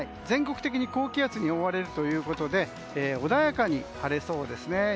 全国的に高気圧に覆われるということで穏やかに晴れそうですね。